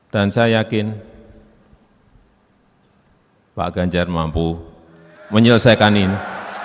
dan saya yakin pak ganjar mampu menyelesaikan ini